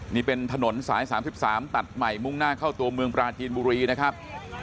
นี่เป็นถนนสาย๓๓ตัดใหม่มุ่งหน้าเข้าตัวเมืองปราจีนบุรีนะครับ